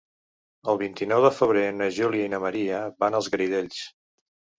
El vint-i-nou de febrer na Júlia i na Maria van als Garidells.